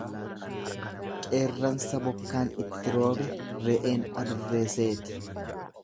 Qeerransa bokkaan itti roobe re'een adurree seeti.